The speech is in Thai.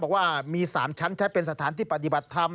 บอกว่ามี๓ชั้นใช้เป็นสถานที่ปฏิบัติธรรม